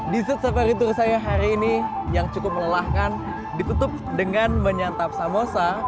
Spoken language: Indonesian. desert safari tour saya hari ini yang cukup melelahkan ditutup dengan menyantap samosa